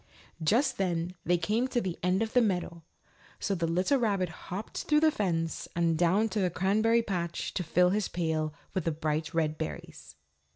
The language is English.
Just then they came to the end of the meadow, so the little rabbit hopped through the fence and down to the Cranberry Patch to fill his pail with the bright red berries.